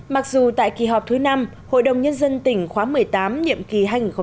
mặc dù tại kỳ họp thứ năm hội đồng nhân dân tỉnh khóa một mươi tám nhiệm kỳ hai nghìn một mươi sáu hai nghìn hai mươi một